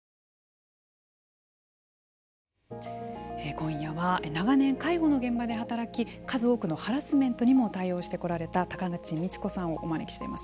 今夜は長年介護の現場で働き数多くのハラスメントにも対応してこられた高口光子さんをお招きしています。